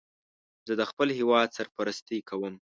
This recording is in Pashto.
زه د خپل هېواد سرپرستی کوم